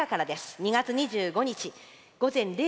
２月２５日。